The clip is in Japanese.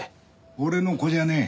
俺の子じゃねえ。